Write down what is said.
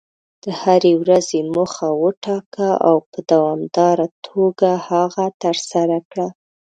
د هرې ورځې موخه وټاکه، او په دوامداره توګه هغه ترسره کړه.